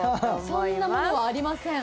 そんなものはありません。